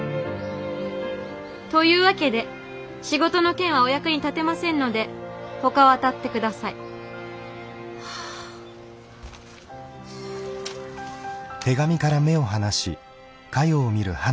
という訳で仕事の件はお役に立てませんのでほかをあたって下さい」。かよ。